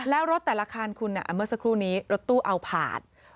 แล้วรถแต่ละคันคุณเมื่อสักครู่นี้รถตู้เอาผ่าน